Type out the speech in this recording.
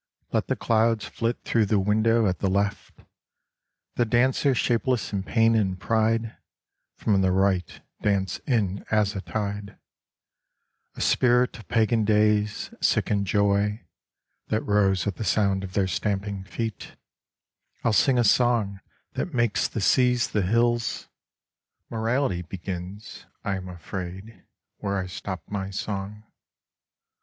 I^t the clouds flit through the window at the left ; The dancer shapeless in pain and pride, From the right dance in as a tide : A spirit of pagan days, sick in joy, That rose at the sound of their stamping feet, I'll sing a song that makes the seas the hills. (Morality begins, 1 am afraid, where I stop my song.)